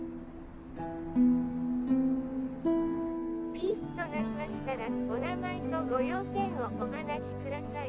☎☎「ピーッと鳴りましたらお名前とご用件をお話しください」